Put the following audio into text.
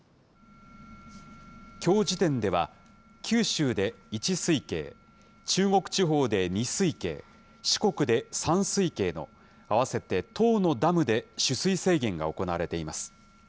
きょう時点では、九州で１水系、中国地方で２水系、四国で３水系の合わせて１０のダムで取水制限が行われています。